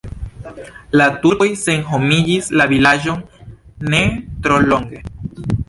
La turkoj senhomigis la vilaĝon ne tro longe.